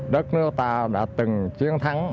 đất nước ta đã từng chiến thắng